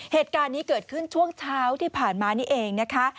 เหตุการณ์นี้เกิดขึ้นช่วงเช้าที่ผ่านมานี่เองนะคะ